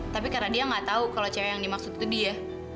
tapi karena dia nggak tahu kalau cewek yang dimaksud itu dia